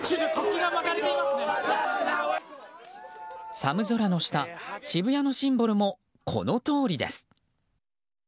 寒空の下、渋谷のシンボルもこのとおりです。